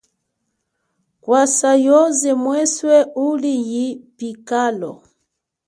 Kwasa yoze mweswe uli nyi yipikalo.